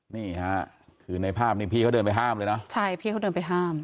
นี่ค่ะคือในภาพนี้พี่เขาเดินไปห้ามเลยนะใช่พี่เขาเดินไปห้าม